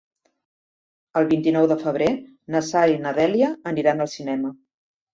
El vint-i-nou de febrer na Sara i na Dèlia aniran al cinema.